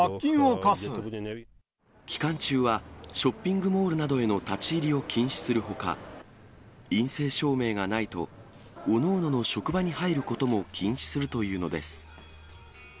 期間中は、ショッピングモールなどへの立ち入りを禁止するほか、陰性証明がないと、各々の職場に入ることも禁止するというのです。